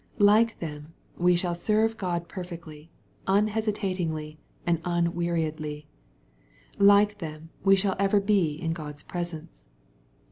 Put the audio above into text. Like them, we shall serve God perfectly, unhesitatingly, and un weariedly. Like them, we shall ever be in God's presence.